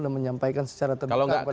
dan menyampaikan secara terdekat